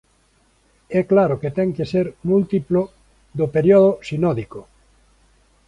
É claro que ten que ser múltiplo do período sinódico.